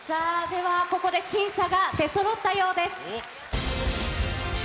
ではここで審査が出そろったようです。